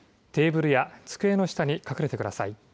テーブルや机の下に隠れてください。